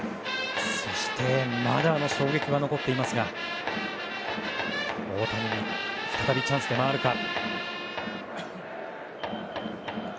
そして、まだあの衝撃が残っていますが大谷に再びチャンスで回るか。